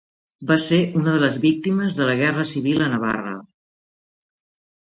Va ser una de les víctimes de la Guerra Civil a Navarra.